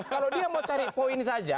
kalau dia mau cari poin saja